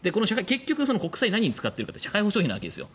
国債、何に使っているかというと社会保障費なわけです。